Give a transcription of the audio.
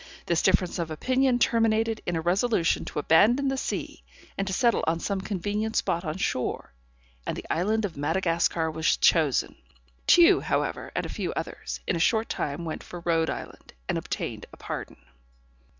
This difference of opinion terminated in a resolution to abandon the sea, and to settle on some convenient spot on shore; and the island of Madagascar was chosen. Tew, however, and a few others, in a short time went for Rhode Island, and obtained a pardon.